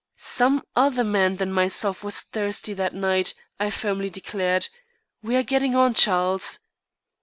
"Some other man than myself was thirsty that night," I firmly declared. "We are getting on, Charles."